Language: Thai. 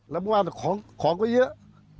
แล้วเมื่อวานของก็เยอะ